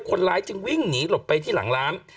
คนร้ายจึงวิ่งหนีหลบไปที่หลังร้าน